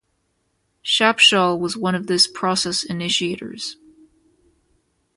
Shapshal was one of this process initiators.